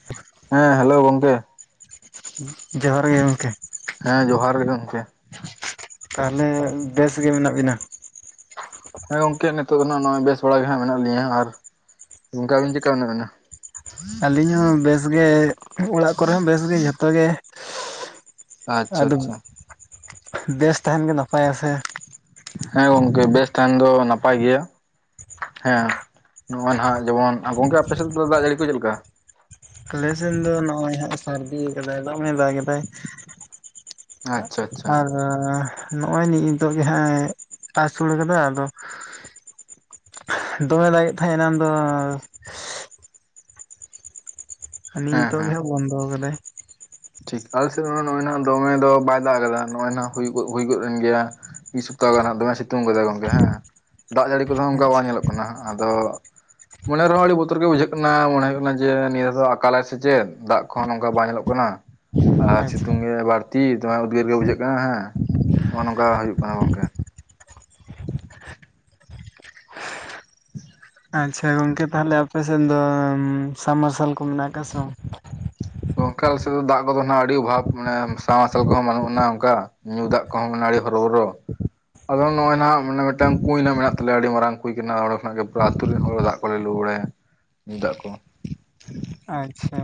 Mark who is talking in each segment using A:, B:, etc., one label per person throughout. A: [inaudible]
B: ᱦᱮᱸ ᱦᱮᱞᱳ ᱜᱚᱝᱠᱮ
A: ᱡᱚᱦᱟᱨ ᱜᱮ ᱜᱚᱝᱠᱮ
B: ᱦᱮᱸ ᱡᱚᱦᱟᱨ ᱜᱮ ᱜᱚᱢᱠᱮ
A: ᱛᱟᱦᱚᱞᱮ ᱵᱮᱥᱜᱮ ᱢᱮᱱᱟᱜ ᱵᱤᱱᱟ
B: ᱦᱮᱸ ᱜᱚᱝᱠᱮ ᱱᱤᱛᱚᱜ ᱫᱚ ᱦᱟᱜ ᱱᱚᱜᱼᱚᱭ ᱵᱮᱥ ᱵᱟᱲᱟ ᱜᱮ ᱦᱟᱜ ᱢᱮᱱᱟᱜ ᱞᱤᱧᱟᱹ ᱟᱨ ᱜᱚᱝᱠᱮ ᱟᱹᱵᱤᱱ ᱪᱮᱠᱟ ᱢᱮᱱᱟᱜ ᱵᱮᱱᱟ
A: ᱟᱹᱞᱤᱧ ᱦᱚᱸ ᱵᱮᱥ ᱜᱮ ᱚᱲᱟᱜ ᱠᱚᱨᱮ ᱦᱚᱸ ᱵᱮᱥ ᱜᱮ ᱡᱷᱚᱛᱚ ᱜᱮ
B: ᱟᱪᱪᱷᱟ
A: ᱟᱫᱚ
B: ᱟᱪᱪᱷᱟ
A: ᱵᱮᱥ ᱛᱟᱦᱮᱱ ᱜᱮ ᱱᱟᱯᱟᱭᱟ ᱥᱮ
B: ᱦᱮᱸ ᱜᱚᱝᱠᱮ ᱵᱮᱥ ᱛᱟᱦᱮᱱ ᱫᱚ ᱱᱟᱯᱟᱭ ᱜᱮᱭᱟ ᱦᱮᱸ ᱱᱚᱜᱚᱭ ᱱᱟᱦᱟᱜ ᱡᱮᱢᱚᱱ ᱜᱚᱝᱠᱮ ᱟᱯᱮ ᱥᱮᱫ ᱫᱚ ᱫᱟᱜ ᱡᱟᱹᱲᱤ ᱠᱚ ᱪᱮᱫᱮᱠᱟ?
A: ᱟᱞᱮ ᱥᱮᱱ ᱫᱚ ᱱᱚᱜᱼᱚᱭ ᱦᱟᱜ ᱥᱟᱹᱨᱫᱤ ᱠᱟᱫᱟᱭ ᱫᱚᱢᱮ ᱫᱟᱜ ᱠᱮᱫᱟᱭ
B: ᱟᱪᱪᱷᱟ ᱟᱪᱪᱷᱟ
A: ᱟᱨ ᱱᱚᱜᱼᱚᱭ ᱱᱤᱡ ᱱᱤᱛᱚᱜ ᱜᱮ ᱦᱟᱸᱜ ᱮ ᱟᱹᱥᱩᱞ ᱠᱟᱫᱟ ᱟᱫᱚ ᱫᱚᱢᱮ ᱫᱟᱜ ᱜᱮᱫ ᱛᱟᱦᱮᱸ ᱮᱱᱟᱱ ᱫᱚ
B: ᱦᱮᱸ
A: ᱱᱤᱛᱚᱜ ᱫᱚ
B: ᱦᱮᱸ
A: ᱦᱟᱜ ᱵᱚᱱᱫᱚ ᱠᱟᱫᱟᱭ
B: ᱴᱷᱤᱠ ᱟᱞ ᱥᱮᱫ ᱱᱚᱜᱼᱚᱭ ᱫᱚᱢᱮ ᱫᱚ ᱵᱟᱭ ᱫᱟᱜ ᱠᱟᱫᱟ ᱱᱚᱜᱼᱚᱭ ᱦᱩᱭ ᱜᱚᱫ ᱮᱱ ᱜᱮᱭᱟ ᱢᱤᱫ ᱥᱚᱯᱛᱟ ᱜᱟᱱ ᱫᱚᱢᱮ ᱥᱤᱛᱩᱝ ᱠᱟᱫᱟᱭ ᱦᱮᱸ ᱫᱟᱜ ᱡᱟᱹᱲᱤ ᱠᱚᱫᱚ ᱚᱱᱠᱟ ᱵᱟᱝ
A: ᱟᱪᱪᱷᱟ
B: ᱧᱮᱞᱚᱜ ᱠᱟᱱᱟ ᱟᱫᱚ ᱢᱚᱱᱮ ᱨᱮᱦᱚᱸ ᱟᱹᱰᱤ ᱵᱚᱛᱚᱨ ᱜᱮ ᱵᱩᱡᱷᱟᱹᱜ ᱠᱟᱱᱟ ᱢᱚᱱᱮ ᱦᱩᱭᱩᱜ ᱠᱟᱱᱟ ᱡᱮ ᱱᱤᱭᱟᱹ ᱫᱚ ᱟᱠᱟᱞᱟᱭ ᱥᱮ ᱪᱮᱫ ᱫᱟᱜ ᱠᱚᱦᱚ ᱱᱚᱝᱠᱟ ᱵᱟᱝ ᱧᱮᱞᱚᱜ ᱠᱟᱱᱟ ᱟᱨ
A: ᱟᱪᱪᱷᱟ
B: ᱥᱤᱛᱩᱝ ᱜᱮ ᱵᱟᱹᱲᱛᱤ ᱫᱚᱢᱮ ᱩᱫᱽᱜᱟᱹᱨ ᱜᱮ ᱵᱩᱡᱷᱟᱹᱜ ᱠᱟᱱᱟ ᱦᱮᱸ ᱱᱚᱜᱼᱚᱭ ᱱᱚᱝᱠᱟ ᱦᱩᱭᱩᱜ ᱠᱟᱱᱟ ᱜᱚᱝᱠᱮ
A: ᱟᱪᱪᱷᱟ ᱜᱚᱝᱠᱮ ᱛᱟᱦᱞᱮ ᱟᱯᱮ ᱥᱮᱫ ᱫᱚ ᱥᱟᱢ ᱢᱟᱨᱥᱟᱞ ᱠᱚ ᱢᱮᱱᱟᱜ ᱟᱠᱟᱫ ᱥᱮ ᱵᱟᱝ
B: ᱜᱚᱝᱠᱮ ᱟᱞᱮ ᱥᱮᱫ ᱫᱚ ᱫᱟᱜ ᱠᱚᱫᱚ ᱦᱟᱸᱜ ᱟᱹᱰᱤ ᱚᱵᱷᱟᱵ ᱢᱟᱱᱮ ᱥᱟᱢᱢᱟᱨᱥᱟᱞ ᱠᱚᱦᱚᱸ ᱵᱟᱹᱱᱩᱜ ᱟᱱᱟ ᱚᱱᱠᱟ ᱧᱩ ᱫᱟᱜ ᱠᱚᱦᱚᱸ ᱱᱟᱹᱲᱤ ᱦᱚᱨᱚᱵᱚᱨᱚ ᱟᱫᱚ ᱱᱚᱜ-ᱚᱭ ᱱᱟᱦᱟᱸᱜ ᱢᱟᱱᱮ ᱢᱤᱫᱴᱟᱝ ᱠᱩᱧ ᱱᱟ ᱢᱮᱱᱟᱜ ᱛᱟᱞᱮᱭᱟ ᱟᱹᱰᱤ ᱢᱟᱨᱟᱝ ᱠᱩᱸᱭ ᱠᱟᱱᱟ ᱱᱚᱸᱰᱮ ᱠᱷᱚᱱᱟᱜ ᱜᱮ ᱯᱩᱨᱟᱹ ᱟᱛᱩ ᱨᱮᱱ ᱦᱚᱲ ᱫᱟᱜᱼᱼ ᱠᱚᱞᱮ ᱞᱩ ᱵᱟᱲᱟᱭᱟ ᱧᱩ ᱫᱟᱜ ᱠᱚ᱾
A: ᱟᱸᱪᱪᱷᱟ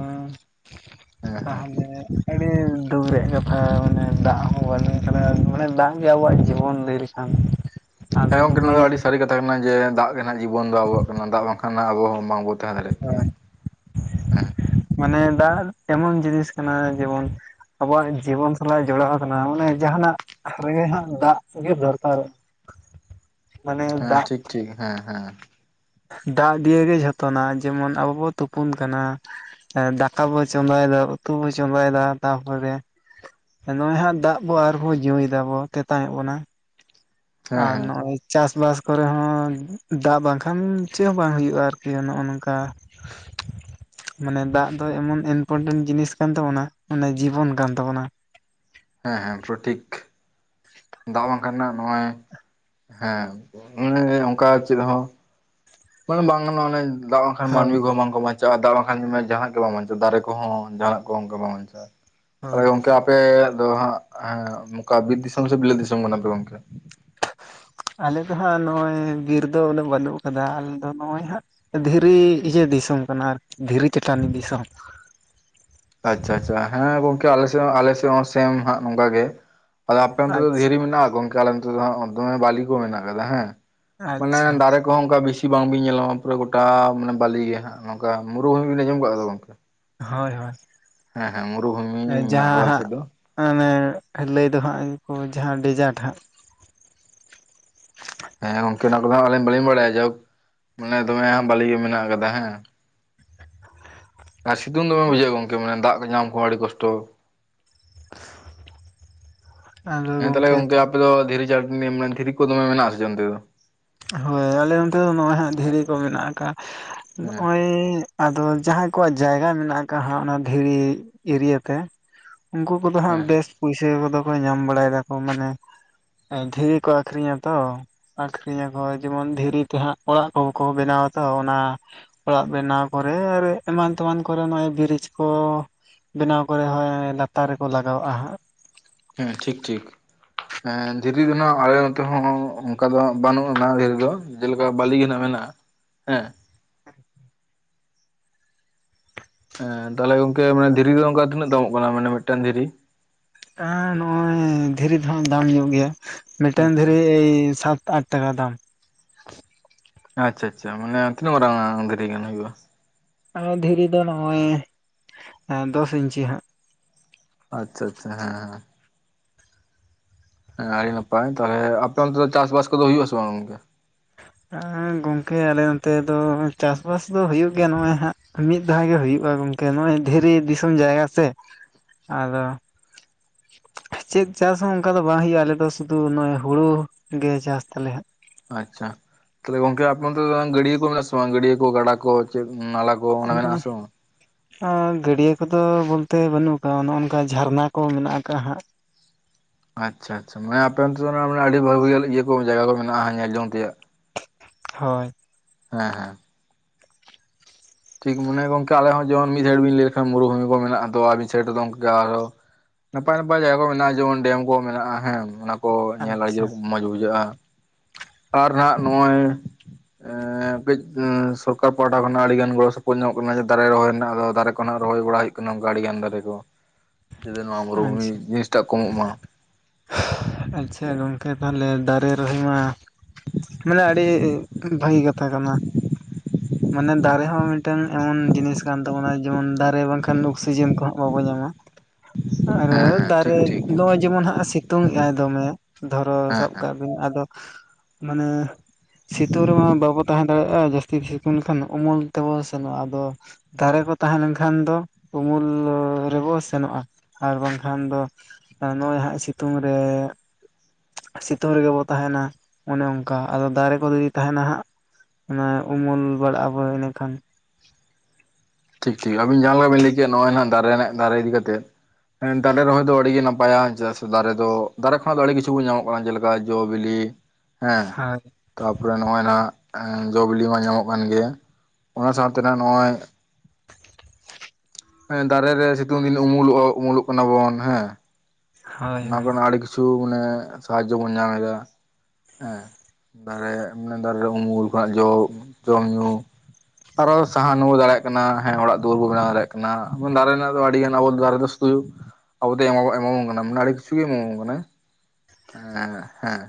B: ᱦᱮᱸ ᱦᱮᱸ
A: ᱛᱟᱦᱚᱞᱮᱼᱼ ᱟᱹᱰᱤ ᱫᱩᱵᱽ ᱨᱮᱭᱟᱜ ᱠᱟᱛᱷᱟ ᱢᱟᱱᱮ ᱫᱟᱜ ᱦᱚᱸ ᱵᱟᱱᱩᱜᱼᱼ ᱠᱟᱫᱟ ᱢᱟᱱᱮ ᱫᱟᱜ ᱜᱮ ᱟᱵᱚᱣᱟᱜ ᱡᱤᱵᱚᱱ ᱞᱟᱹᱭ ᱞᱮᱠᱷᱟᱱᱼᱼ
B: ᱦᱮᱸ ᱜᱚᱝᱠᱮ ᱱᱚᱣᱟ ᱫᱚ ᱟᱹᱰᱤ ᱥᱟᱹᱨᱤ ᱠᱟᱛᱷᱟ ᱠᱟᱱᱟ ᱡᱮ ᱫᱟᱜ ᱜᱮ ᱱᱟᱦᱟᱸᱜ ᱡᱤᱵᱚᱱ ᱫᱚ ᱟᱵᱚᱣᱟᱜ ᱠᱟᱱᱟ ᱫᱟᱜ ᱵᱟᱝᱠᱷᱟᱱ ᱟᱵᱚ ᱦᱚᱸ ᱵᱟᱝᱵᱚ ᱛᱟᱦᱮᱸ ᱫᱟᱲᱮᱜ᱾ [inaudible]
A: ᱦᱳᱭ ᱢᱟᱱᱮ ᱫᱟᱜ ᱮᱢᱚᱱ ᱡᱤᱱᱤᱥ ᱠᱟᱱᱟ ᱡᱮᱢᱚᱱᱼᱼ ᱟᱵᱚᱣᱟᱜ ᱡᱤᱵᱚᱱ ᱥᱟᱞᱟᱜ ᱡᱚᱲᱟᱣ ᱠᱟᱱᱟ ᱚᱱᱮ ᱡᱟᱦᱟᱸ ᱱᱟᱜ ᱨᱮᱜᱮ ᱦᱟᱸᱜ ᱫᱟᱜ ᱜᱮ ᱫᱚᱨᱠᱟᱨᱚᱜᱼᱼ
B: ᱦᱮᱸ ᱴᱷᱤᱠ ᱴᱷᱤᱠ ᱦᱮᱸ ᱦᱮᱸ᱾
A: ᱫᱟᱜ ᱫᱤᱭᱮ ᱜᱮ ᱡᱚᱛᱚᱱᱟᱜ ᱡᱮᱢᱚᱱ ᱟᱵᱚ ᱵᱚᱱ ᱛᱩᱯᱩᱱ ᱠᱟᱱᱟ ᱫᱟᱠᱟ ᱵᱚ ᱪᱚᱸᱫᱟᱭᱮᱫᱟ ᱩᱛᱩ ᱵᱚ ᱪᱚᱸᱫᱟᱭᱮᱫᱟ ᱛᱟᱯᱚᱨᱮ ᱮ ᱱᱚᱜ-ᱚᱭ ᱦᱟᱸᱜ ᱫᱟᱜ ᱵᱚ ᱟᱨᱵᱚ ᱧᱩᱭ ᱫᱟᱵᱚ ᱛᱮᱛᱟᱝᱮᱜ ᱵᱚᱱᱟ᱾
B: ᱦᱮᱸ
A: ᱟᱨ
B: ᱦᱮᱸ
A: ᱱᱚᱸᱜ-ᱚᱭᱼᱼ ᱪᱟᱥᱼᱵᱟᱥ ᱠᱚᱨᱮ ᱦᱚᱸ ᱫᱟᱜ ᱵᱟᱝ ᱠᱷᱟᱱ ᱪᱮᱜ ᱦᱚᱸ ᱵᱟᱝ ᱦᱩᱭᱩᱜ-ᱟ ᱟᱨᱠᱤ ᱱᱚᱜ-ᱚ ᱱᱚᱝᱠᱟ᱾ ᱢᱟᱱᱮ ᱫᱟᱜ ᱫᱚᱭ ᱮᱢᱚᱱ ᱤᱱᱯᱚᱨᱴᱮᱱ ᱡᱤᱱᱤᱥ ᱠᱟᱱ ᱛᱟᱵᱚᱱᱟ ᱢᱟᱱᱮ ᱡᱤᱵᱚᱱ ᱠᱟᱱ ᱛᱟᱵᱚᱱᱟ
B: ᱦᱮᱸ ᱦᱮᱸ ᱯᱩᱨᱟᱹ ᱴᱷᱤᱠᱼᱼ ᱫᱟᱜ ᱵᱟᱝᱠᱷᱟᱱ ᱱᱟᱦᱟᱸᱜ ᱱᱚᱜ-ᱚᱚᱭ ᱦᱮᱸ ᱜᱚᱝᱠᱮ ᱚᱱᱮ ᱞᱟᱹᱭ ᱫᱟ ᱚᱱᱠᱟ ᱪᱮᱜ ᱦᱚᱸᱼᱼ ᱠᱚ ᱵᱟᱝ [inaudible] ᱚᱱᱮ ᱫᱟᱜ ᱵᱟᱠᱷᱟᱱ ᱢᱟᱱᱢᱤ
A: ᱦᱳᱭ
B: ᱠᱚ ᱦᱚᱸ ᱵᱟᱝ ᱠᱚ ᱵᱟᱧᱼᱼ ᱪᱟᱜ-ᱟ ᱫᱟᱜ ᱵᱟᱝᱠᱷᱟᱱ ᱩᱢ ᱡᱟᱦᱟᱸ ᱱᱟᱜ ᱜᱮ ᱵᱟᱝ ᱵᱟᱧᱪᱟᱜ ᱫᱟᱨᱮ ᱠᱚᱦᱚᱸ ᱡᱟᱦᱟᱸ ᱱᱟᱜ ᱠᱚ ᱚᱱᱠᱟ ᱵᱟᱝ ᱵᱟᱧᱪᱟᱜ-ᱟ, ᱛᱟᱦᱚᱞᱮ
A: ᱦᱳᱭ
B: ᱜᱟᱝᱠᱮ ᱟᱯᱼᱼ ᱟᱯᱮ ᱫᱚ ᱦᱟᱸᱜ ᱦᱮᱸ ᱱᱚᱠᱟ ᱵᱤᱨ ᱫᱤᱥᱚᱢ ᱥᱮ ᱵᱤᱞᱟᱹᱛ ᱫᱤᱥᱚᱢ ᱠᱟᱱᱟ ᱯᱮ ᱜᱚᱝᱠᱮ?
A: ᱟᱞᱮ ᱫᱚ ᱦᱟᱸᱜ ᱱᱚᱜ-ᱚᱭ ᱵᱤᱨ ᱫᱚ ᱵᱚᱞᱮ ᱵᱟᱱᱩᱜ ᱟᱠᱟᱫᱟ ᱟᱞᱮ ᱫᱚ ᱱᱚᱜ-ᱚᱭ ᱦᱟᱸᱜᱼᱼ ᱫᱷᱤᱨᱤ ᱤᱭᱟᱹ ᱰᱤᱥᱚᱢ ᱠᱟᱱᱟ ᱟᱨᱠᱤ ᱫᱷᱤᱨᱤ ᱪᱟᱴᱟᱱᱤ ᱫᱤᱥᱚᱢ᱾
B: ᱟᱪᱪᱷᱟ ᱟᱪᱪᱷᱟ ᱦᱮᱸ ᱜᱚᱝᱠᱮ ᱟᱞᱮ‌ ᱥᱮᱜ ᱟᱞᱮ ᱥᱮᱜ ᱦᱚᱸ ᱥᱮᱢ ᱦᱟᱸᱜ ᱱᱚᱝᱠᱟ ᱜᱮ᱾ ᱟᱫᱚ ᱟᱯᱮ ᱚᱱᱛᱮ ᱫᱚ
A: ᱟᱪᱪᱷᱟ
B: ᱫᱷᱤᱨᱤ ᱢᱮᱱᱟᱜ-ᱟ ᱜᱚᱝᱠᱮ ᱟᱞᱮ ᱱᱚᱛᱮ ᱫᱚ ᱦᱟᱸᱜ ᱫᱚᱢᱮ ᱵᱟᱞᱤ ᱠᱚ ᱢᱮᱱᱟᱜ ᱟᱠᱟᱫᱟ ᱦᱮᱸ ᱢᱟᱱᱮ
A: ᱟᱪᱪᱷᱟ
B: ᱫᱟᱨᱮᱼᱼ ᱠᱚᱦᱚᱸ ᱚᱱᱠᱟ ᱵᱤᱥᱤ‌ ᱵᱟᱝ ᱵᱤᱱ ᱧᱮᱞᱟ ᱯᱩᱨᱟᱹ ᱜᱚᱴᱟ ᱢᱟᱱᱮ ᱵᱟᱞᱤ ᱜᱮ ᱦᱟᱸᱜ ᱱᱚᱝᱠᱟ ᱢᱩᱨᱩ ᱦᱚᱸᱵᱤᱱ ᱟᱸᱡᱚᱢ ᱠᱟᱜ-ᱟ ᱫᱚ ᱜᱚᱝᱠᱮ?
A: ᱦᱳᱭ ᱦᱳᱭ᱾
B: ᱦᱮᱸ ᱦᱮᱸ ᱢᱩᱨᱩ ᱵᱷᱩᱢᱤᱧ ᱢᱮᱱᱟᱜ ᱟᱠᱟᱫᱟ ᱟᱞᱮ ᱥᱮᱜ ᱫᱚ᱾
A: ᱟᱸ ᱚᱱᱮ ᱞᱟᱹᱭ ᱫᱚ ᱦᱟᱸᱜ ᱠᱚ ᱡᱟᱦᱟᱸ ᱰᱤᱡᱟᱨᱴ ᱦᱟᱸᱜᱼᱼ
B: ᱦᱮᱸ ᱜᱚᱝᱠᱮ ᱚᱱᱟ ᱠᱚᱫᱚ ᱟᱹᱞᱤᱧ ᱵᱟᱹᱞᱤᱧ ᱵᱟᱲᱟᱭᱟ ᱡᱚᱠ ᱢᱟᱱᱮ ᱫᱚᱢᱮ ᱦᱟᱸᱜ ᱵᱟᱞᱤ ᱜᱮ ᱢᱮᱱᱟᱜ ᱟᱠᱟᱫᱟ ᱦᱮᱸ᱾ ᱟᱨ ᱥᱤᱛᱩᱝ ᱫᱚᱢᱮ ᱵᱩᱡᱷᱟᱹᱜ-ᱟ ᱜᱚᱝᱠᱮ ᱢᱟᱱᱮ ᱫᱟᱜ ᱠᱚ ᱧᱟᱢ ᱠᱚ ᱦᱚᱸ ᱟᱰᱤ ᱠᱚᱥᱴᱚ᱾ ᱦᱮᱸ ᱛᱟᱦᱚᱞᱮ ᱜᱚᱝᱠᱮ ᱟᱯᱮ ᱫᱚ ᱫᱷᱤᱨᱤ ᱪᱟᱴᱟᱱᱤ ᱢᱟᱱᱮᱼᱼ ᱫᱷᱨᱤ ᱠᱚ ᱫᱚᱢᱮ ᱢᱮᱱᱟᱜ-ᱟ ᱥᱮ ᱪᱮᱜ ᱚ‌ᱱᱛᱮ ᱫᱚ?
A: ᱦᱳᱭ ᱟᱞᱮ ᱚᱱᱛᱮ ᱫᱚ ᱱᱚᱜ-ᱚᱭ ᱦᱟᱸᱜ ᱫᱷᱤᱨᱤ ᱠᱚ ᱢᱮᱱᱟᱜ ᱟᱠᱟᱜ-ᱟ
B: ᱦᱮᱸ
A: ᱱᱚᱜ-ᱚᱭᱼᱼ ᱟᱫᱚ ᱡᱟᱦᱟᱸᱭ ᱠᱚᱣᱟᱜ ᱡᱟᱭᱜᱟ ᱢᱮᱱᱟᱜ ᱟᱠᱟᱜ-ᱟ ᱦᱟᱸᱜ ᱚᱱᱟ ᱫᱷᱤᱨᱤ ᱮᱨᱤᱭᱟᱹ ᱛᱮ ᱩᱱᱠᱩᱼᱼ ᱩᱱᱠᱩ ᱫᱚ ᱦᱟᱸᱜ
B: ᱦᱮᱸ
A: ᱵᱮᱥᱼᱼ ᱯᱩᱭᱥᱟᱹ ᱠᱚᱫᱚ ᱠᱚ ᱧᱟᱢ ᱵᱟᱲᱟᱭ ᱫᱟᱠᱚ ᱢᱟᱱᱮ ᱮᱸ ᱫᱷᱤᱨᱤ ᱠᱚ ᱟᱠᱷᱨᱤᱧᱟ ᱛᱚ, ᱟᱠᱷᱨᱤᱼᱼ ᱦᱤᱨᱤᱧ ᱟᱠᱚ ᱡᱮᱢᱚᱱ ᱫᱷᱤᱨᱤ ᱛᱮᱦᱟᱸᱜ ᱚᱲᱟᱜ ᱠᱚ ᱠᱚ ᱵᱮᱱᱟᱣᱟ ᱛᱚ ᱚᱱᱟᱼᱼ ᱚᱲᱟᱜ ᱵᱮᱱᱟᱣ ᱠᱚᱨᱮ ᱟᱨ ᱮᱢᱟᱱ ᱛᱮᱢᱟᱱ ᱠᱚᱨᱮ ᱱᱚᱜ-ᱚᱭ ᱵᱨᱤᱡᱽ ᱠᱚᱼᱼ ᱵᱮᱱᱟᱣ ᱠᱚᱨᱮ ᱦᱚᱸᱭ ᱞᱟᱛᱟᱨ ᱨᱮᱠᱚ ᱞᱟᱜᱟᱣᱟᱜ-ᱟ ᱦᱟᱸᱜ᱾
B: ᱦᱮ ᱴᱷᱤᱠ ᱴᱷᱤᱠ᱾ ᱦᱮᱸ ᱫᱷᱤᱨᱤ ᱨᱮᱱᱟᱜ ᱟᱞᱮ ᱱᱚᱛᱮ ᱦᱚᱸ ᱚᱱᱠᱟ ᱫᱚ ᱵᱟᱱᱩᱜ ᱟᱱᱟ ᱰᱷᱤᱨ ᱫᱚ ᱡᱮᱞᱮᱠᱟ ᱵᱟᱞᱤ ᱜᱮ ᱱᱟᱜ ᱢᱮᱱᱟᱜ-ᱟ᱾ ᱦᱮᱸ᱾ ᱦᱮᱸ ᱛᱟᱦᱞᱮ ᱜᱚᱝᱠᱮ ᱫᱷᱤᱨᱤ ᱫᱚ ᱚᱝᱠᱟ ᱛᱤᱱᱟᱹᱜ ᱫᱟᱢᱚᱜ ᱠᱟᱱᱟ ᱢᱟᱱᱮ ᱢᱤᱫᱴᱟᱝ ᱫᱷᱤᱨᱤ?
A: ᱟᱸ ᱱᱚᱜ-ᱚᱭ ᱫᱷᱤᱨᱤ ᱫᱚ ᱦᱟᱸᱜ ᱫᱟᱢ ᱧᱚᱜ ᱜᱮᱭᱟ ᱢᱤᱫᱴᱮᱱ
B: ᱟᱪᱪᱷᱟ
A: ᱫᱷᱤᱨᱤ ᱮᱭ ᱥᱟᱛ ᱟᱴ ᱴᱟᱠᱟ ᱫᱟᱢ᱾
B: ᱟᱪᱪᱷᱟ ᱟᱪᱪᱷᱟ ᱢᱟᱱᱮ ᱛᱤᱱᱟᱹᱜ ᱢᱟᱨᱟᱝᱟ ᱫᱷᱤᱨᱤ ᱜᱟᱱ ᱦᱩᱭᱩᱜ-ᱟ?
A: ᱟᱨᱚ ᱫᱷᱤᱨᱤ ᱫᱚ ᱱᱚᱜ-ᱚᱭ ᱮᱹ ᱫᱚᱥ ᱤᱧᱪᱤ ᱦᱟᱸᱜ᱾
B: ᱟᱪᱪᱷᱟ ᱟᱪᱪᱷᱟ ᱦᱮᱸ ᱦᱮᱸ᱾ ᱦᱮᱸ ᱟᱲᱤ ᱱᱟᱯᱟᱭ ᱛᱟᱦᱚᱞᱮ ᱟᱯᱮ ᱚᱱᱛᱮ ᱫᱚ ᱪᱟᱥ ᱵᱟᱟᱥ ᱠᱚᱫᱚ ᱦᱩᱭᱩᱜ ᱟᱥᱮ ᱵᱟᱝ
A: ᱜᱚᱝᱠᱮ ᱟᱞᱮ ᱚᱱᱛᱮ ᱫᱚ ᱪᱟᱥ ᱵᱟᱟᱥ ᱫᱚ ᱦᱩᱭᱩᱜ ᱜᱮᱭᱟ ᱱᱚᱜ-ᱚᱭ ᱦᱟᱸᱜ ᱢᱤᱫ ᱫᱷᱟᱣ ᱜᱮ ᱦᱩᱭᱩᱜ-ᱟ ᱜᱚᱝᱠᱮ ᱱᱚᱜ-ᱚᱭ ᱫᱷᱤᱨᱤ ᱫᱤᱥᱚᱢ ᱡᱟᱭᱜᱟ ᱥᱮ ᱟᱫᱚ ᱪᱮᱫ ᱪᱟᱥ ᱦᱚᱸ ᱚᱱᱠᱟ ᱫᱚ ᱵᱟᱝ ᱦᱳᱭᱳᱜ-ᱟ ᱟᱞᱮ ᱫᱚ ᱥᱩᱫᱩ ᱱᱚᱜ-ᱚᱭ ᱦᱩᱲᱩ ᱜᱮ ᱪᱟᱥ ᱛᱟᱞᱮ ᱦᱟᱸᱜ
B: ᱟᱪᱪᱷᱟ ᱛᱟᱦᱞᱮ ᱜᱚᱝᱠᱮ ᱟᱯ ᱜᱟᱹᱰᱭᱟᱹ ᱠᱚ ᱢᱮᱱᱟᱜ ᱟ ᱥᱮ ᱵᱟᱝ ᱜᱟᱹᱰᱭᱟᱹ ᱠᱚ ᱜᱟᱰᱟ ᱠᱚ ᱪᱮᱫ ᱱᱟᱞᱟ ᱠᱚ ᱚᱱᱟ
A: ᱚᱞ
B: ᱢᱮᱱᱟᱜ
A: ᱢᱮ
B: ᱟᱥᱮ ᱵᱟᱝ?
A: ᱚᱻ ᱜᱟᱹᱰᱭᱟᱹ ᱠᱚᱫᱚ ᱵᱚᱞᱛᱮ ᱵᱟᱹᱱᱩᱜ ᱟᱠᱟᱜ ᱱᱚᱜᱼ ᱱᱚᱝᱠᱟ ᱡᱷᱟᱨᱱᱟ ᱠᱚ ᱢᱮᱱᱟᱜ ᱟᱠᱟᱟᱜ ᱦᱟᱸᱜ
B: ᱟᱪᱪᱷᱟ ᱟᱪᱪᱷᱟ ᱢᱟᱱᱮ ᱟᱯᱮ ᱚᱱᱛᱮ ᱢᱟᱱᱮ ᱟᱹᱰᱤ ᱵᱷᱟᱹᱜᱤ ᱤᱭᱟᱹ ᱠᱚ ᱡᱟᱭᱜᱟ ᱠᱚ ᱢᱮᱱᱟᱜ-ᱟ ᱧᱮᱞ ᱡᱚᱝ ᱛᱮᱭᱟᱜ
A: ᱦᱳᱭ
B: ᱦᱮᱸ ᱦᱮᱸ ᱴᱷᱤᱠ ᱢᱟᱱᱮ ᱜᱚᱝᱠᱮ ᱟᱞᱮ ᱦᱚᱸ ᱡᱮᱢᱚᱱ ᱢᱤᱫ ᱡᱷᱟᱲ ᱵᱤᱱ ᱞᱟᱹᱭ ᱞᱮᱠᱷᱟᱱ ᱢᱩᱨᱩᱵᱷᱩᱢᱤ ᱠᱚ ᱢᱮᱱᱟᱜ-ᱟ ᱛᱚ ᱟᱨ ᱢᱤᱫ ᱥᱟᱭᱤᱴ‌ ᱨᱮᱫᱚ ᱜᱚᱝᱠᱮ ᱟᱨᱚ ᱱᱟᱯᱟᱭ ᱱᱟᱯᱟᱭ ᱡᱟᱭᱜᱟ ᱠᱚ ᱢᱮᱱᱟᱜ-ᱟ ᱡᱮᱢᱚᱱ ᱰᱮᱢ ᱠᱚ ᱢᱮᱱᱟᱜ-ᱟ ᱦᱮᱸ ᱚᱱᱟᱠ ᱠᱚ ᱧᱮᱞ
A: ᱟᱪᱪᱷᱟ
B: [unintelligible] ᱠᱚ ᱢᱚᱸᱡᱽ ᱵᱩᱡᱷᱟᱹᱜ-ᱟ ᱟᱨ ᱦᱟᱜ ᱱᱚᱜ-ᱚᱭ ᱮᱻ ᱠᱟᱹᱡ ᱥᱚᱨᱠᱟᱨ ᱯᱟᱦᱴᱟ ᱠᱷᱚᱱᱟᱜ ᱟᱹᱰᱤ ᱜᱟᱱ ᱜᱚᱲᱚ ᱥᱚᱯᱚᱞ ᱧᱚᱜ ᱠᱟᱱᱟ ᱡᱮ ᱫᱟᱨᱮ ᱨᱚᱦᱚᱭ ᱨᱮᱱᱟᱜ ᱟ ᱫᱟᱨᱮᱨᱮ ᱱᱟᱜ ᱨᱚᱦᱚᱭ ᱵᱟᱲᱟ ᱦᱩᱭᱩᱜ ᱠᱟᱱᱟ ᱚᱱᱠᱟ ᱟᱹᱰᱤᱜᱟᱱ ᱫᱟᱨᱮ ᱠᱚ ᱡᱚᱫᱮ ᱱᱚᱣᱟ ᱢᱩᱨᱩᱵᱷᱩᱢᱤ
A: ᱟᱪᱪᱷᱟ
B: ᱡᱤᱱᱤᱥᱴᱟᱜ ᱠᱚᱢᱚᱜ ᱢᱟ
A: ᱟᱪᱪᱷᱟ ᱜᱚᱢᱠᱮ ᱛᱟᱦᱚᱞᱮ ᱫᱟᱨᱮ ᱨᱚᱦᱚᱭ ᱢᱟ ᱢᱟᱱᱮ ᱟᱹᱰᱤ ᱵᱷᱟᱹᱜᱤ ᱠᱟᱛᱷᱟ ᱠᱟᱱᱟ ᱢᱟᱱᱮ ᱫᱟᱨᱮ ᱦᱚᱸ ᱢᱤᱫᱴᱟᱝ ᱮᱢᱚᱱ ᱡᱤᱱᱤᱥ ᱠᱟᱱ ᱛᱟᱵᱚᱱᱟ ᱡᱮᱢᱚᱱ ᱫᱟᱨᱮ ᱵᱟᱝᱠᱷᱟᱱ ᱚᱠᱥᱤᱡᱮᱱ ᱠᱚᱦᱚᱸ ᱵᱟᱵᱚᱱ ᱧᱟᱢᱟ
B: [unintelligible]
A: ᱟᱨ
B: ᱦᱮᱸ ᱴᱷᱤᱠ
A: ᱫᱟᱨᱮ
B: ᱴᱷᱤᱠ
A: ᱱᱚᱜ-ᱚᱭ ᱡᱮᱢᱚᱱ ᱦᱟᱸᱜ ᱥᱤᱛᱩᱝ ᱮ ᱟᱭ ᱫᱚᱢᱮ ᱫᱷᱚᱨᱚ
B: ᱦᱮᱸ
A: ᱥᱟᱵ
B: ᱦᱮᱸ
A: ᱠᱟᱜ ᱢᱮ ᱟᱫᱚ ᱢᱟᱱᱮ ᱥᱤᱛᱩᱝ ᱨᱮᱢᱟ ᱵᱟᱵᱚ ᱛᱟᱦᱮᱸ ᱫᱟᱲᱮᱭᱟᱜ-ᱟ ᱡᱟᱹᱥᱛᱤ ᱥᱤᱛᱩᱝ ᱞᱮᱠᱷᱟᱱ ᱩᱢᱩᱞ ᱛᱮᱵᱚᱱ ᱥᱮᱱᱚᱜ-ᱟ ᱟᱫᱚ ᱫᱟᱨᱮ ᱠᱚ ᱛᱟᱦᱮᱸ ᱞᱮᱱᱠᱷᱟᱱ ᱫᱚ ᱩᱢᱩᱞ ᱨᱮᱵᱚ ᱥᱮᱱᱚᱜ-ᱟ ᱟᱨ ᱵᱟᱝᱠᱷᱟᱱ ᱫᱚ ᱱᱚᱜ-ᱚᱭ ᱦᱟᱜ ᱥᱤᱛᱩᱝ ᱨᱮ ᱥᱤᱛᱩᱝ ᱨᱮᱜᱮ ᱵᱚ ᱛᱟᱦᱮᱱᱟ ᱚᱱᱮ ᱚᱱᱠᱟ ᱟᱫᱚ ᱫᱟᱨᱮ ᱠᱚ ᱡᱩᱫᱤ ᱛᱟᱦᱮᱱᱟ ᱦᱟᱸᱜ ᱚᱱᱟ ᱩᱢᱩᱞ ᱵᱟᱲᱟᱜ ᱟᱵᱚ ᱮᱸᱰᱮᱠᱷᱟᱱ
B: ᱴᱷᱤᱠ ᱴᱷᱤᱠ ᱟᱵᱤᱱ ᱡᱟᱦᱟᱸᱞ ᱞᱮᱠᱟ ᱵᱤᱱ ᱞᱟᱹᱭᱮ ᱱᱚᱜ-ᱚᱭ ᱦᱟᱜ ᱫᱟᱨᱮ ᱨᱮᱱᱟᱜ ᱫᱟᱨᱮ ᱤᱫᱤᱛᱮᱫ ᱦᱮᱸ ᱫᱟᱨᱮ ᱨᱚᱦᱚᱭ ᱫᱚ ᱟᱹᱰᱤᱜ ᱜᱮ ᱱᱟᱯᱟᱭᱟ ᱪᱮᱫᱟᱜ ᱥᱮ ᱫᱟᱨᱮ ᱫᱚ ᱫᱟᱨᱮ ᱠᱷᱚᱱᱟᱜ ᱫᱚ ᱟᱹᱰᱤ ᱠᱤᱪᱷᱩ ᱧᱟᱢᱚᱜ ᱠᱟᱱᱟ ᱡᱮᱞᱮᱠᱟ ᱡᱚ ᱵᱤᱞᱤ ᱦᱮᱸ
A: ᱦᱳᱭ
B: ᱛᱟᱯᱚᱨᱮ ᱱᱚᱜ-ᱚᱭ ᱱᱟᱜ ᱡᱚ ᱵᱤᱞᱤ ᱢᱟ ᱧᱟᱢᱚᱜ ᱠᱟᱱ ᱜᱮᱭᱟ ᱚᱱᱟ ᱥᱟᱶᱛᱮ ᱱᱟ ᱱᱚᱜ-ᱚᱭ ᱦᱮᱸ ᱫᱟᱨᱮ ᱨᱮ ᱥᱤᱛᱩᱝ ᱫᱤᱱ ᱩᱢᱩᱞᱩᱜ-ᱟ ᱩᱢᱩᱞᱩᱜ ᱠᱟᱱᱟ ᱵᱚᱱ ᱦᱮᱸ
A: ᱦᱳᱭ
B: ᱚᱱᱟ
A: ᱦᱳᱭ
B: ᱠᱚᱨᱮᱱᱟᱜ ᱟᱹᱰᱤ ᱠᱤᱪᱷᱩ ᱢᱟᱱᱮ ᱥᱟᱦᱟᱡᱡᱚ ᱵᱚᱱ ᱧᱟᱢ ᱮᱫᱟ ᱦᱮᱸ ᱫᱟᱨᱮ ᱟᱱᱮ ᱫᱟᱨᱮ ᱨᱮ ᱩᱢᱩᱞ ᱠᱷᱚᱱᱟᱜ ᱡᱚ ᱡᱚᱢ ᱧᱩ ᱟᱨᱚ ᱥᱟᱦᱟᱱᱵᱚ ᱫᱟᱲᱮᱭᱟᱜ ᱠᱟᱱᱟ ᱦᱮᱸ ᱚᱲᱟᱜ ᱫᱩᱣᱟᱹᱨ ᱵᱚ ᱵᱮᱱᱟᱣ ᱫᱟᱲᱮᱭᱟᱜ ᱠᱟᱱᱟ ᱫᱟᱨᱮ ᱨᱮᱱᱟᱜ ᱫᱚ ᱟᱹᱰᱤ ᱜᱟᱱ ᱟᱵᱚ ᱫᱟᱨᱮ ᱫᱚ ᱟᱵᱚ ᱮᱢᱟᱵᱚᱱ ᱠᱟᱱᱟ ᱢᱟᱱᱮ ᱟᱹᱰᱤ ᱠᱤᱪᱷᱩ ᱮᱢᱟᱵᱚᱱ ᱠᱟᱱᱟ ᱟᱻ ᱦᱮᱸ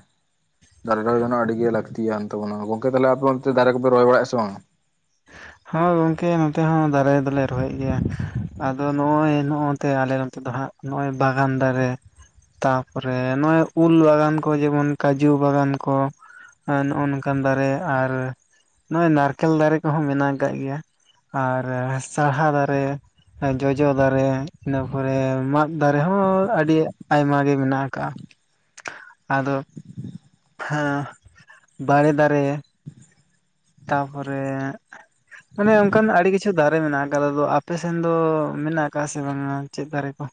B: ᱫᱟᱨᱮ ᱨᱚᱦᱚᱭᱮᱱᱚ ᱟᱹᱰᱤᱜ ᱜᱮ ᱞᱟᱹᱠᱛᱤᱭᱟᱱ ᱛᱟᱵᱚᱱᱟ ᱜᱚᱝᱠᱮ ᱛᱟᱦᱚᱞᱮ ᱟᱯᱮ ᱚᱱᱛᱮ ᱫᱟᱨᱮ ᱠᱚᱯᱮ ᱨᱚᱦᱚᱭ ᱵᱟᱲᱟᱜ-ᱟ ᱥᱮ ᱵᱟᱝ [inaudible]
A: ᱦᱮᱸ ᱜᱚᱝᱠᱮ ᱱᱚᱛᱮ ᱦᱚᱸ ᱫᱟᱨᱮ ᱫᱚᱞᱮ ᱨᱚᱦᱚᱭᱮᱫ ᱜᱮᱭᱟ ᱟᱫᱚ ᱱᱚᱜ-ᱚᱭ ᱱᱚᱜ-ᱚᱛᱮ ᱟᱞᱮ ᱱᱚᱛᱮ ᱫᱚ ᱦᱟᱸᱜ ᱱᱚᱜ-ᱚᱭ ᱵᱟᱜᱟᱱ ᱫᱟᱨᱮ ᱛᱟᱨᱯᱚᱨᱮ ᱱᱚᱜᱼᱚᱭ ᱩᱞ ᱵᱟᱜᱟᱱ ᱠᱚ ᱡᱮᱢᱚᱱ ᱠᱟᱡᱩ ᱵᱟᱜᱟᱱ ᱠᱚ ᱱᱚᱜᱼᱚ ᱱᱚᱝᱠᱟᱱ ᱫᱟᱨᱮ ᱟᱨ ᱱᱚᱜᱚᱭ ᱱᱟᱨᱠᱮᱞ ᱫᱟᱨᱮ ᱠᱚᱦᱚᱸ ᱢᱮᱱᱟᱜ ᱟᱠᱟᱫ ᱜᱮᱭᱟ ᱟᱨ ᱥᱟᱦᱟ ᱫᱟᱨᱮ ᱡᱚᱡᱚ ᱫᱟᱨᱮ ᱤᱱᱟᱹ ᱯᱚᱨᱮ ᱢᱟᱫ ᱫᱟᱨᱮ ᱦᱚᱸ ᱟᱹᱰᱤ ᱟᱭᱢᱟ ᱜᱮ ᱢᱮᱱᱟᱜ ᱟᱠᱟᱟᱜ ᱟᱫᱚ ᱦᱚᱸ ᱵᱟᱲᱮ ᱫᱟᱨᱮ ᱛᱟᱯᱚᱨᱮ ᱢᱟᱱᱮ ᱚᱱᱠᱟᱱ ᱟᱹᱰᱤ ᱠᱤᱪᱷᱩ ᱫᱟᱨᱮ ᱢᱮᱱᱟᱜ ᱟᱠᱟᱫᱟ ᱟ ᱟᱯᱮ ᱥᱮᱱ ᱫᱚ ᱢᱮᱱᱟᱜ ᱟᱠᱟᱫᱟ ᱥᱮ ᱵᱟᱝᱟ ᱪᱮᱫ ᱫᱟᱨᱮ ᱠᱚ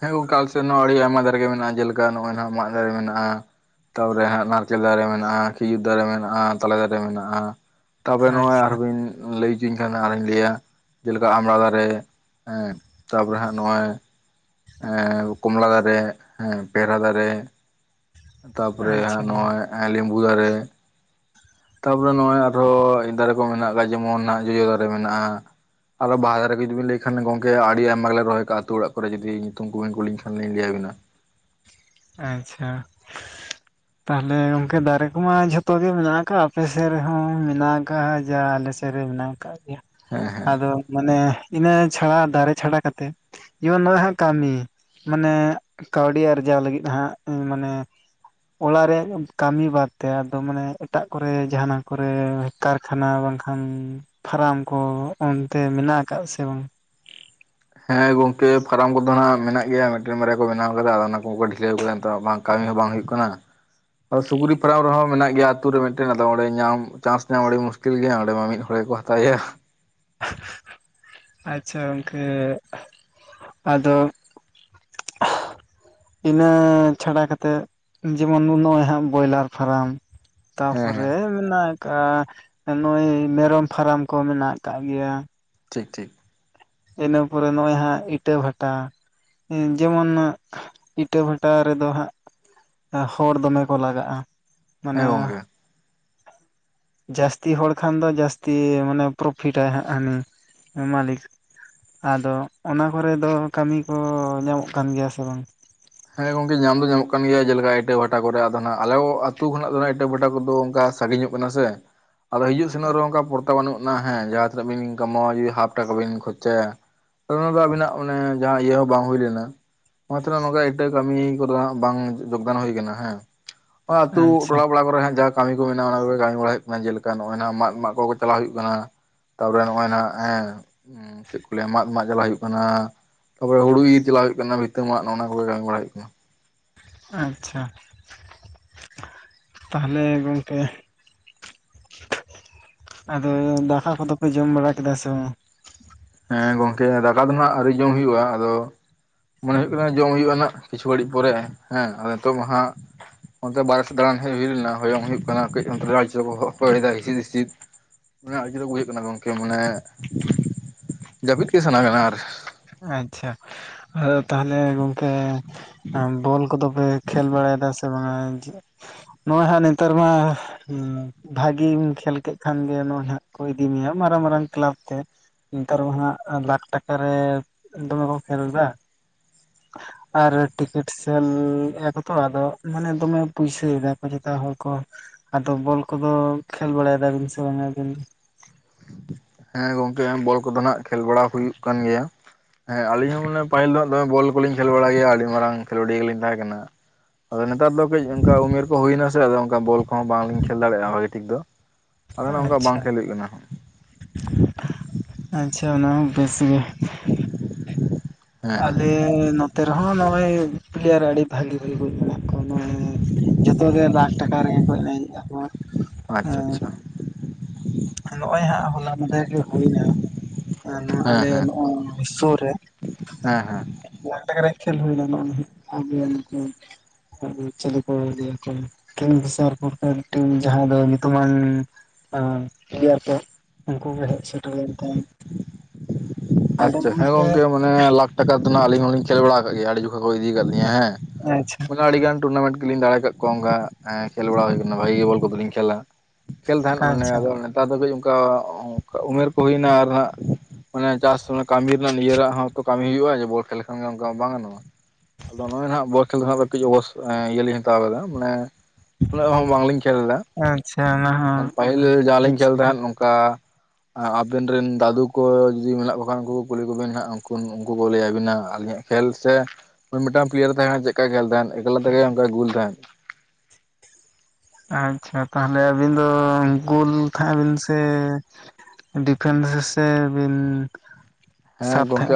B: ᱦᱮᱸ ᱜᱚᱱᱠᱮ ᱟᱞᱮᱥᱮᱫ ᱦᱚᱸ ᱟᱹᱰᱤ ᱟᱭᱢᱟ ᱫᱟᱨᱮ ᱜᱮ ᱢᱮᱱᱟᱜᱼᱟ ᱡᱮᱞᱮᱠᱟ ᱱᱚᱜᱼᱚᱭ ᱢᱟᱜ ᱫᱟᱨᱮ ᱢᱮᱱᱟᱜᱼᱟ ᱛᱟᱨᱯᱚᱨᱮ ᱦᱟᱸ ᱱᱟᱲᱠᱮᱞ ᱫᱟᱨᱮ ᱢᱮᱱᱟᱜᱼᱟ ᱠᱷᱤᱡᱩᱨ ᱫᱟᱨᱮ ᱢᱮᱱᱟᱜᱼᱟ ᱛᱟᱞᱮ ᱫᱟᱨᱮ ᱢᱮᱱᱟᱜᱼᱟ ᱛᱚᱵᱮ ᱱᱚᱜᱼᱚᱭ
A: ᱟᱪᱪᱷᱟ
B: ᱟᱨᱵᱤᱱ ᱞᱟᱹᱭ ᱦᱚᱪᱚᱧ ᱠᱷᱟᱱ ᱟᱨᱚᱧ ᱞᱟᱹᱭᱟ ᱡᱮᱞᱮᱠᱟ ᱟᱢᱲᱟ ᱫᱟᱨᱮ ᱦᱮᱸ ᱛᱟᱨᱯᱚᱨᱮ ᱦᱟᱸᱜ ᱱᱚᱜᱼᱚᱭ ᱠᱚᱢᱞᱟ ᱫᱟᱨᱮ ᱦᱮ ᱯᱮᱦᱨᱟ ᱫᱟᱨᱮ ᱛᱟᱯᱚᱨᱮᱜ
A: ᱟᱪᱪᱷᱟ
B: ᱱᱚᱜᱼᱚᱭ ᱞᱮᱸᱵᱩ ᱫᱟᱨᱮ ᱛᱟᱨᱯᱚᱨᱮ ᱱᱚᱜᱼᱚᱭ ᱟᱨᱦᱚᱸ ᱫᱟᱨᱮ ᱠᱚ ᱢᱮᱱᱟᱜ ᱟᱠᱟᱫ ᱡᱮᱢᱚᱱ ᱱᱟᱦᱟᱜ ᱡᱚᱡᱚ ᱫᱟᱨᱮ ᱢᱮᱱᱟᱜᱼᱟ ᱟᱨᱚ ᱵᱟᱦᱟ ᱫᱟᱨᱮ ᱡᱩᱫᱤᱵᱤᱱ ᱞᱟᱹᱭ ᱠᱷᱟᱱ ᱜᱠ ᱟᱹᱰᱤ ᱟᱭᱢᱟ ᱜᱮᱞᱮ ᱨᱚᱦᱚᱭᱟᱜᱼᱟ ᱟᱹᱛᱩ ᱚᱲᱟᱜᱨᱮ ᱡᱩᱫᱤ ᱧᱩᱛᱩᱢ ᱠᱚᱵᱤᱱ ᱠᱩᱞᱤᱧ ᱠᱷᱟᱱᱤᱧ ᱞᱟᱹᱭ ᱟᱵᱤᱱᱟ
A: ᱟᱪᱪᱷᱟ
B: [inaudible]
A: ᱛᱟᱦᱚᱞᱮ ᱜᱚᱝᱠᱮ ᱫᱟᱨᱮ ᱠᱚᱢᱟ ᱡᱷᱚᱛᱚ ᱜᱮ ᱢᱮᱱᱟᱜ ᱟᱠᱟᱜᱼᱟ ᱟᱯᱮᱥᱮᱫ ᱨᱮᱦᱚᱸ ᱢᱮᱱᱟᱜ ᱟᱠᱟᱜ ᱡᱟ ᱟᱞᱮᱥᱮᱫ ᱨᱮ ᱢᱮᱱᱟᱜ ᱟᱠᱟᱫ ᱜᱮᱭᱟ ᱟᱫᱚ ᱢᱟᱱᱮ ᱤᱱᱟᱹ ᱪᱷᱟᱲᱟ ᱫᱟᱨᱮ ᱪᱷᱟᱰᱟ ᱠᱟᱛᱮᱜ ᱡᱮᱢᱚᱱ ᱱᱚᱜᱼᱚᱭ ᱦᱟᱸᱜ ᱠᱟᱹᱢᱤ ᱢᱟᱱᱮ ᱠᱟᱹᱣᱰᱤ ᱟᱨᱡᱟᱣ ᱞᱟᱹᱜᱤᱫ ᱦᱟᱸᱜ ᱢᱟᱱᱮ ᱚᱲᱟᱜ ᱨᱮᱭᱟᱜ ᱠᱟᱹᱢᱤ ᱵᱟᱫᱛᱮ ᱟᱫᱚ ᱢᱟᱱᱮ ᱮᱴᱟᱜ ᱠᱚᱨᱮ ᱡᱟᱦᱟᱱᱟᱜ ᱠᱚᱨᱮ ᱠᱟᱨᱠᱷᱟᱱᱟ ᱵᱟᱝᱠᱷᱟᱱ ᱯᱷᱟᱨᱟᱢ ᱠᱚ ᱚᱱᱛᱮ ᱢᱮᱱᱟᱜ ᱟᱠᱟᱫ ᱥᱮ ᱵᱟᱝ
B: ᱦᱮᱸ ᱜᱚᱝᱠᱮ ᱯᱷᱟᱨᱟᱢ ᱠᱚᱫᱚ ᱦᱱᱟᱜ ᱢᱮᱱᱟᱜ ᱜᱮᱭᱟ ᱢᱤᱫᱴᱮᱱ ᱢᱟᱨᱟᱨᱭᱟ ᱠᱚ ᱵᱮᱱᱟᱣ ᱟᱠᱟᱫᱟ ᱚᱱᱟ ᱠᱚᱠᱚ ᱰᱷᱤᱞᱟᱹᱣ ᱟᱠᱟᱫᱟ ᱱᱤᱛᱚᱜ ᱵᱟᱝ ᱠᱟᱹᱢᱤ ᱦᱚᱸ ᱵᱟᱝ ᱦᱩᱭᱩᱜ ᱠᱟᱱᱟ ᱥᱩᱠᱨᱤ ᱯᱷᱟᱨᱟᱢ ᱨᱮᱦᱚᱸ ᱢᱮᱱᱟᱜ ᱜᱮᱭᱟ ᱟᱛᱩ ᱨᱮ ᱢᱤᱫᱴᱮᱱ ᱟᱫᱚ ᱚᱸᱰᱮ ᱧᱟᱢ ᱪᱟᱱᱥ ᱧᱟᱢ ᱟᱹᱰᱤ ᱢᱩᱥᱤᱞ ᱢᱩᱥᱠᱤᱞ ᱜᱮᱭᱟ ᱚᱸᱰᱮ ᱢᱟ ᱢᱤᱫ ᱦᱚᱲ ᱜᱮᱠᱚ ᱦᱟᱛᱟᱮᱣᱟ
A: ᱟᱪᱪᱷᱟ ᱜᱚᱝᱠᱮ ᱟᱫᱚ ᱤᱱᱟᱹ ᱪᱷᱟᱰᱟ ᱠᱟᱛᱮᱜ ᱡᱮᱢᱚᱱ ᱱᱚᱜ ᱚᱭ ᱦᱟᱸᱜ ᱵᱚᱭᱞᱟᱨ ᱯᱷᱟᱨᱟᱢ
B: ᱦᱮᱸ ᱦᱮᱸ
A: ᱛᱟᱨᱯᱚᱨᱮ ᱢᱮᱱᱟᱜ ᱟᱠᱟᱜᱼᱟ ᱱᱚᱜᱚᱭ ᱢᱮᱨᱚᱢ ᱯᱷᱟᱨᱟᱢ ᱠᱚ ᱢᱮᱱᱟᱜ ᱟᱠᱟᱫ ᱜᱮᱭᱟ
B: ᱴᱷᱤᱠ ᱴᱷᱤᱠ
A: ᱤᱱᱟᱹ ᱯᱚᱨᱮ ᱱᱚᱜᱼᱚᱭ ᱦᱟᱸᱜ ᱤᱴᱟᱹ ᱵᱷᱟᱴᱟ ᱡᱮᱢᱚᱱ ᱤᱴᱟᱹ ᱵᱷᱟᱴᱟ ᱨᱮᱫᱚ ᱦᱟᱸᱜ ᱦᱚᱲ ᱫᱚᱢᱮ ᱠᱚ ᱞᱟᱜᱟᱜᱼᱟ ᱢᱟᱱᱮ
B: ᱦᱮᱸ ᱜᱚᱝᱠᱮ [inaudible]
A: ᱡᱟᱹᱥᱛᱤ ᱦᱚᱲ ᱠᱷᱟᱱ ᱫᱚ ᱡᱟᱹᱥᱛᱤ ᱢᱟᱱᱮ ᱯᱨᱚᱯᱷᱤᱴᱟᱭ ᱦᱟᱸᱜ ᱦᱟᱹᱱᱤ ᱢᱟᱹᱞᱤᱠ ᱟᱫᱚ ᱚᱱᱟ ᱠᱚᱨᱮ ᱫᱚ ᱠᱟᱹᱢᱤ ᱠᱚ ᱧᱟᱢᱚᱜ ᱠᱟᱱ ᱜᱮᱭᱟ ᱥᱮ ᱵᱟᱝ
B: ᱦᱮᱸ ᱜᱚᱝᱠᱮ ᱧᱟᱢ ᱫᱚ ᱧᱟᱢᱚᱜ ᱠᱟᱱ ᱜᱮᱭᱟ ᱡᱮᱞᱮᱠᱟ ᱤᱴᱟᱹ ᱵᱷᱟᱴᱟ ᱠᱚᱨᱮ ᱫᱚ ᱱᱟᱜ ᱟᱞᱮ ᱟᱛᱩ ᱠᱷᱚᱱᱟᱜ ᱫᱚ ᱱᱟᱜ ᱤᱴᱟᱹ ᱵᱷᱟᱴᱟ ᱠᱚᱫᱚ ᱚᱱᱠᱟ ᱥᱟᱺᱜᱤᱧᱚᱜ ᱠᱟᱱᱟ ᱥᱮ ᱟᱫᱚ ᱦᱤᱡᱩᱜ ᱥᱮᱱᱚᱜ ᱨᱮᱦᱚ ᱯᱚᱲ ᱵᱟᱹᱱᱩᱜ ᱟᱱᱟ ᱦᱮᱸ ᱡᱟᱦᱟᱸ ᱛᱤᱱᱟᱹᱜ ᱵᱤᱱ ᱠᱟᱢᱟᱣᱟ ᱦᱟᱯ ᱴᱟᱠᱟ ᱵᱤᱱ ᱠᱷᱚᱨᱪᱟᱭᱟ ᱚᱱᱟ ᱫᱚ ᱟᱵᱤᱱᱟᱜ ᱡᱟᱦᱟᱸ ᱤᱭᱟᱹ ᱦᱚᱸ ᱵᱟᱝ ᱦᱩᱭ ᱞᱮᱱᱟ [unintelligible] ᱢᱟ ᱛᱟᱦᱮ ᱱᱚᱝᱠᱟ ᱠᱟᱹᱢᱤ ᱠᱚᱫᱚ ᱵᱟᱝ ᱡᱳᱜᱽᱫᱟᱱ ᱦᱩᱭᱟ ᱟᱠᱟᱱᱟ ᱦᱮᱸ ᱟᱛᱩ
A: ᱟᱪᱪᱷᱟ
B: ᱴᱚᱞᱟ ᱯᱟᱲᱟ ᱠᱚᱨᱮᱜ ᱡᱟᱠ ᱠᱟᱹᱢᱤ ᱠᱚ ᱢᱮᱱᱟᱜᱼᱟ ᱚᱱᱟ ᱠᱚᱜᱮ ᱠᱟᱹᱢᱤ ᱵᱟᱲᱟ ᱦᱩᱭᱩᱜ ᱠᱟᱱᱟ ᱡᱮᱞᱮᱠᱟ ᱱᱚᱜᱼᱚᱭ ᱢᱟᱫ ᱢᱟᱜ ᱠᱚ ᱠᱚ ᱪᱟᱞᱟᱣ ᱦᱩᱭᱩᱜ ᱠᱟᱱᱟ ᱛᱟᱨᱯᱚᱨᱮ ᱱᱚᱜᱼᱚᱭ ᱱᱟᱦᱱᱟᱜ ᱦᱮᱸ ᱪᱮᱫ ᱠᱚ ᱞᱟᱹᱭᱟ ᱢᱟᱫ ᱢᱟᱜ ᱪᱟᱞᱟᱜ ᱦᱩᱭᱩᱜ ᱠᱟᱱᱟ ᱛᱟᱨᱯᱚᱨᱮ ᱦᱩᱲᱩ ᱤᱨ ᱪᱟᱞᱟᱜ ᱦᱩᱭᱩᱜ ᱠᱟᱱᱟ ᱵᱷᱤᱛᱟᱹ ᱢᱟᱜ ᱚᱱᱟ ᱠᱚᱜᱮ ᱵᱟᱲᱟᱭ ᱦᱩᱭᱩᱜ ᱠᱟᱱᱟ
A: ᱟᱪᱪᱷᱟ ᱛᱟᱦᱚᱞᱮ ᱜᱚᱢᱠᱮ ᱟᱫᱚ ᱫᱟᱠᱟ ᱠᱚᱫᱚᱯᱮ ᱡᱚᱢ ᱵᱟᱲᱟ ᱠᱮᱫᱟ ᱥᱮ ᱵᱟᱝ
B: ᱦᱮᱸ ᱜᱚᱝᱠᱮ ᱫᱟᱠᱟ ᱫᱚ ᱱᱟᱜ ᱟᱹᱨᱤ ᱡᱚᱢ ᱦᱩᱭᱩᱜᱼᱟ ᱟᱫᱚ ᱢᱚᱱᱮ ᱦᱩᱭᱩᱜ ᱠᱟᱱᱟ ᱡᱚᱢ ᱦᱩᱭᱩᱜᱱᱟᱜ ᱠᱤᱪᱷᱩ ᱜᱷᱟᱹᱲᱤᱡ ᱯᱚᱨᱮ ᱦᱮᱸ ᱱᱤᱛᱚᱜ ᱢᱟ ᱦᱟᱸᱜ ᱚᱱᱛᱮ ᱵᱟᱨᱮ ᱥᱮᱫ ᱫᱟᱬᱟᱱ ᱦᱩᱭ ᱞᱮᱱᱟ ᱦᱚᱭᱚᱝ ᱦᱩᱭᱩᱜ ᱠᱟᱱᱟ ᱠᱟ. ᱡ ᱚᱱᱛᱮ ᱨᱮ ᱵᱳᱦᱳᱜ ᱠᱚᱭ ᱦᱚᱭ ᱮᱫᱟ ᱦᱤᱥᱤᱫ ᱦᱤᱥᱤᱫ ᱢᱟᱱᱮ ᱟᱹᱰᱤᱡ ᱨᱚᱜᱽ ᱦᱩᱭᱩᱜ ᱠᱟᱱᱟ ᱜᱚᱝᱠᱮ ᱢᱟᱱᱮ ᱡᱟᱹᱯᱤᱫ ᱜᱮ ᱥᱟᱱᱟ ᱠᱟᱱᱟ ᱟᱨ
A: ᱟᱪᱪᱷᱟ ᱟᱫᱚ ᱛᱟᱦᱚᱞᱮ ᱜᱚᱝᱠᱮ ᱵᱚᱞ ᱠᱚᱫᱚ ᱯᱮ ᱠᱷᱮᱞ ᱵᱟᱲᱟᱭᱮᱫᱟ ᱥᱮ ᱵᱟᱝᱦᱟ ᱱᱚᱜᱼᱚᱭ ᱦᱟᱸᱜ ᱱᱮᱛᱟᱨ ᱢᱟ ᱦᱮᱸ ᱵᱷᱟᱜᱤᱢ ᱠᱷᱮᱞ ᱠᱮᱫ ᱠᱷᱟᱱ ᱜᱮ ᱱᱚᱦᱚᱭ ᱦᱟᱸᱜ ᱠᱚ ᱤᱫᱤ ᱢᱮᱭᱟ ᱢᱟᱨᱟᱝ ᱢᱟᱨᱟᱝ ᱠᱞᱟᱯ ᱛᱮ ᱱᱮᱛᱟᱨ ᱢᱟᱦᱟᱜ ᱞᱟᱠᱷ ᱴᱟᱠᱟᱨᱮ ᱫᱚᱢᱮ ᱠᱚ ᱠᱷᱮᱞ ᱮᱫᱟ
B: [unintelligible]
A: ᱟᱨ ᱴᱤᱠᱤᱴ ᱥᱮᱞ ᱮᱫᱟ ᱠᱚ ᱛᱚ ᱟᱫᱚ ᱢᱟᱱᱮ ᱫᱚᱢᱮ ᱯᱩᱭᱥᱟᱹ ᱭᱮᱫᱟᱠᱚ ᱡᱚᱛᱚ ᱦᱚᱲ ᱠᱚ ᱟᱫᱚ ᱵᱚᱞ ᱠᱚᱫᱚ ᱠᱷᱮᱞ ᱵᱟᱲᱟᱭ ᱫᱟᱹᱵᱤᱱ ᱥᱮ ᱵᱟᱸᱜᱟ ᱟᱹᱵᱤᱱ ᱫᱚ
B: ᱦᱮᱸ ᱜᱚᱝᱠᱮ ᱵᱚᱞ ᱠᱚᱫᱚ ᱱᱟᱜ ᱠᱷᱮᱞ ᱵᱟᱲᱟ ᱦᱩᱭᱩᱜ ᱠᱟᱱ ᱜᱮᱭᱟ ᱦᱮᱸ ᱟᱹᱞᱤᱧ ᱦᱚᱸ ᱢᱟᱱᱮ ᱯᱟᱹᱦᱤᱞ ᱫᱚ ᱟᱫᱚ ᱵᱚᱞ ᱠᱚᱞᱤᱧ ᱠᱷᱮᱞ ᱵᱟᱲᱟ ᱜᱮᱭᱟ ᱟᱹᱰᱤ ᱢᱟᱨᱟᱝ ᱠᱷᱮᱞᱳᱰᱤᱭᱟᱹ ᱜᱮᱞᱤᱧ ᱛᱟᱦᱮᱸ ᱠᱟᱱᱟ ᱦᱳᱭ ᱱᱮᱛᱟᱨ ᱫᱚ ᱠᱟᱹᱡ ᱚᱱᱠᱟ ᱩᱢᱮᱨ ᱠᱚ ᱦᱩᱭᱱᱟ ᱥᱮ ᱟᱫᱚ ᱚᱝᱠᱟ ᱵᱚᱞ ᱠᱚᱦᱚᱸ ᱵᱟᱝᱞᱤᱧ ᱠᱷᱮᱹᱞ ᱫᱟᱲᱮᱭᱟᱜᱼᱟ ᱦᱳᱭ ᱴᱷᱤᱠ ᱫᱚ ᱟᱫᱚ ᱚᱱᱠᱟ ᱵᱟᱝ
A: ᱟᱪᱪᱷᱟ
B: ᱠᱷᱮᱞ ᱦᱩᱭᱩᱜ ᱠᱟᱱᱟ
A: ᱟᱪᱪᱷᱟ ᱚᱱᱟ ᱦᱚᱸ ᱵᱮᱥ ᱜᱮ
B: ᱦᱮᱸ ᱦᱮᱸ
A: ᱟᱞᱮ ᱱᱚᱛᱮ ᱨᱮᱦᱚᱸ ᱱᱚᱜᱼᱚᱭ ᱯᱞᱮᱭᱟᱨ ᱟᱹᱰᱤ ᱵᱷᱟᱹᱜᱤ ᱦᱩᱭᱩᱜᱚᱜ ᱠᱟᱱᱟ᱾ ᱠᱚᱱᱚ ᱡᱚᱛᱚᱜᱮ ᱞᱟᱠᱷ ᱴᱟᱠᱟ ᱨᱮᱜᱮ ᱮᱨᱮᱸᱡᱮᱜᱼᱟ ᱯᱚᱨ
B: ᱟᱪᱪᱷᱟ ᱟᱪᱪᱷᱟ [unintelligible]
A: ᱱᱚᱜᱼᱚᱭ ᱦᱟᱸᱜ ᱦᱚᱞᱟ ᱢᱟᱫᱷᱮᱨ ᱜᱮ ᱦᱩᱭᱱᱟ ᱱᱚᱣᱟ
B: ᱦᱮᱸ
A: ᱟᱞᱮ
B: ᱦᱮᱸ
A: ᱱᱚᱣᱟ ᱥᱩᱨ ᱨᱮ
B: ᱦᱮᱸ ᱦᱮᱸ
A: [unintelligible] ᱪᱟᱞᱩ ᱠᱚ ᱮᱨᱭᱟ ᱠᱚ ᱠᱤᱝᱵᱮᱥᱟᱨᱯᱩᱨ ᱠᱷᱚᱱ ᱢᱤᱫ ᱴᱮᱝ ᱡᱟᱦᱟᱸᱭ ᱫᱚ ᱧᱩᱛᱩᱢᱟᱱ ᱜᱮᱭᱟ ᱛᱚ ᱩᱱᱠᱩ ᱜᱮ ᱦᱮᱡ ᱥᱮᱴᱮᱨ ᱞᱮᱱ ᱛᱟᱦᱮᱱ
B: ᱟᱪᱪᱷᱟ ᱦᱮᱸ ᱜᱚᱝᱠᱮ ᱢᱟᱱᱮ ᱞᱟᱠᱷ ᱴᱟᱠᱟ ᱫᱚ ᱱᱟᱜ ᱟᱹᱞᱤᱧ ᱦᱩᱞᱤᱧ ᱠᱷᱮᱞ ᱵᱟᱲᱟ ᱟᱠᱟᱜ ᱜᱮᱭᱟ ᱟᱹᱰᱤ ᱡᱚᱠᱷᱟᱡ ᱠᱚ ᱤᱫᱤ ᱟᱠᱟᱫ ᱞᱤᱧᱟ ᱦᱮᱸ
A: ᱟᱪᱪᱷᱟ
B: ᱟᱹᱰᱤᱜᱟᱱ ᱴᱩᱨᱱᱟᱢᱮᱱᱴ ᱜᱮᱞᱤᱧ ᱫᱟᱲᱮ ᱟᱠᱟᱫ ᱠᱚᱣᱟ ᱚᱱᱠᱟ ᱠᱷᱮᱞ ᱵᱟᱲᱟ ᱦᱩᱭ ᱟᱠᱟᱱᱟ ᱵᱷᱟᱹᱜᱤ ᱜᱮ ᱵᱚᱞ ᱠᱚᱫᱚᱞᱤᱧ ᱠᱷᱮᱹᱞᱟ ᱠᱷᱮᱞ ᱛᱟᱦᱮᱸᱫ ᱢᱟᱱᱮ
A: ᱟᱪᱪᱷᱟ
B: ᱟᱫᱚ ᱱᱮᱛᱟᱨ ᱫᱚ ᱠᱟᱹᱡ ᱚᱱᱠᱟ ᱩᱢᱮᱨ ᱠᱚ ᱦᱩᱭᱱᱟ ᱟᱨ ᱦᱟᱸᱜ ᱢᱟᱱᱮ ᱪᱟᱥ ᱥᱚᱢᱚᱭ ᱠᱟᱹᱢᱤ ᱨᱮᱱᱟᱜ ᱱᱤᱡᱮᱨᱟᱜ ᱨᱮᱱᱟᱜ ᱦᱚᱸ ᱠᱟᱹᱢᱤ ᱦᱩᱭᱩᱜᱼᱟ ᱡᱮ ᱵᱚᱞ ᱠᱷᱮᱞ ᱞᱮᱠᱷᱟᱱ ᱚᱱᱠᱟ ᱵᱟᱝ ᱜᱟᱱᱚᱜᱼᱟ ᱟᱫᱚ ᱱᱚᱜᱼᱚᱭ ᱱᱟᱜ ᱵᱚᱞ ᱠᱷᱮᱞ ᱫᱚ ᱠᱟᱹᱡ ᱚᱵᱚᱥ ᱤᱭᱟᱹ ᱞᱤᱧ ᱦᱟᱛᱟᱣ ᱠᱟᱫᱟ ᱢᱟᱱᱮ ᱩᱱᱟᱹᱜ ᱦᱚᱸ ᱵᱟᱝᱞᱤᱧ ᱠᱷᱮᱞ ᱫᱟ
A: ᱟᱪᱪᱷᱟ ᱚᱱᱟ ᱦᱚᱸ
B: ᱯᱟᱹᱦᱤᱞ ᱡᱟᱦᱟᱸ ᱞᱤᱧ
A: ᱵᱮᱥ
B: ᱠᱷᱮᱞ
A: ᱜᱮ
B: ᱛᱟᱦᱮᱸᱫ ᱱᱚᱝᱠᱟ ᱟᱵᱮᱱ ᱨᱮᱱ ᱫᱟᱫᱩ ᱠᱚ ᱡᱩᱫᱤ ᱢᱮᱱᱟᱜ ᱠᱚ ᱵᱟᱠᱷᱟᱱ ᱩᱱᱠᱩ ᱠᱚ ᱠᱩᱞᱤ ᱠᱚᱵᱤᱱ ᱦᱟᱸᱜ ᱩᱱ ᱩᱱᱠᱩ ᱠᱚ ᱞᱟᱹᱭ ᱟᱵᱤᱱᱟ ᱟᱹᱞᱤᱧᱟᱜ ᱠᱷᱮᱞ ᱥᱮ ᱢᱤᱫᱴᱟᱝ ᱯᱞᱮᱭᱟᱨ ᱛᱟᱦᱮᱸ ᱠᱟᱱᱟ ᱪᱮᱠᱟᱭ ᱠᱷᱮᱞ ᱛᱟᱦᱮᱸᱫ ᱮᱠᱞᱟ ᱛᱮᱜᱮ ᱚᱱᱠᱟ ᱜᱩᱞ ᱛᱟᱦᱮᱸᱱ
A: ᱟᱪᱪᱷᱟ ᱛᱟᱦᱞᱮ ᱟᱹᱵᱤᱱ ᱫᱚ ᱜᱳᱞ ᱛᱟᱦᱮᱫᱸ ᱵᱤᱱ ᱥᱮ ᱰᱤᱯᱷᱮᱱᱥ ᱥᱮᱥᱮ ᱵᱤᱱ
B: ᱦᱮᱸ
A: ᱥᱟᱵ ᱛᱟᱦᱮᱸᱜᱼᱟ?
B: ᱜᱚᱝᱠᱮ ᱟ